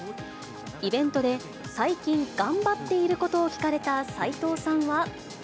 イベントで最近頑張っていることを聞かれた斎藤さんは。